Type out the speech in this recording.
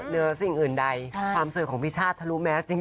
เหนือสิ่งอื่นใดความสวยของพี่ชาติทะลุแมสจริง